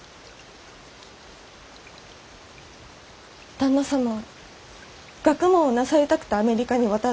旦那様は学問をなさりたくてアメリカに渡られた。